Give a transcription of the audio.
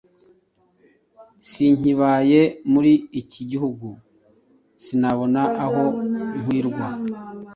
Sinkibaye muri iki gihugu, sinabona aho nkwirwa!"